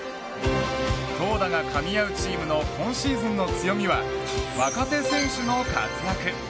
投打がかみ合うチームの今シーズンの強みは若手選手の活躍。